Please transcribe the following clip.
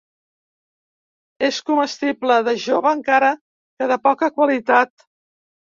És comestible de jove encara que de poca qualitat.